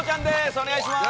お願いします！